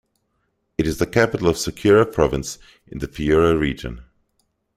It is the capital of Sechura Province in the Piura Region.